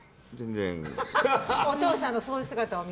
お父さんのそういう姿を見て。